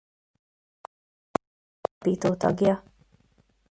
A Kormorán Együttes alapító tagja.